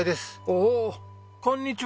おおこんにちは！